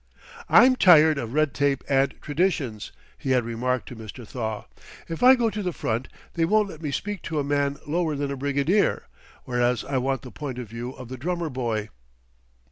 "I'm tired of red tape and traditions," he had remarked to Mr. Thaw. "If I go to the front, they won't let me speak to a man lower than a brigadier, whereas I want the point of view of the drummer boy."